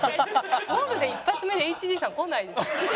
ゴールデン一発目でＨＧさん来ないです。